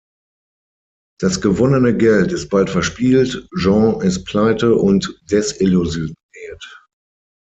Das gewonnene Geld ist bald verspielt, Jean ist pleite und desillusioniert.